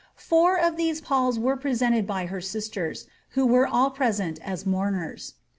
Four of these palls were pre sented by her sisters, who were all present as mourners.